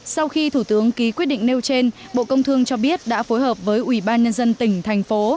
sau khi thủ tướng ký quyết định nêu trên bộ công thương cho biết đã phối hợp với ubnd tỉnh thành phố